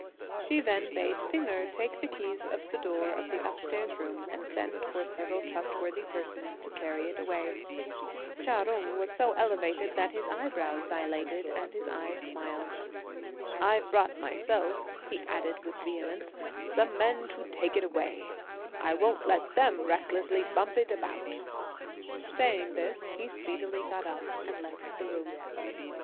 She then bade P'ing Erh take the keys of the door of the upstairs room and send for several trustworthy persons to carry it away. Chia Jung was so elated that his eyebrows dilated and his eyes smiled. "I've brought myself," he added, with vehemence, "some men to take it away; I won't let them recklessly bump it about." Saying this, he speedily got up and left the room.